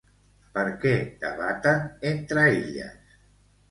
Per què debaten entre elles?